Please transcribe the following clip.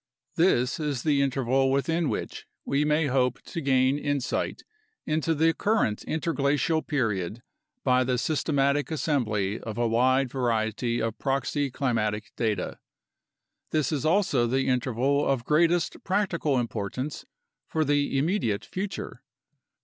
This is the interval within which we may hope 70 UNDERSTANDING CLIMATIC CHANGE to gain insight into the current interglacial period by the systematic assembly of a wide variety of proxy climatic data. This is also the interval of greatest practical importance for the immediate future.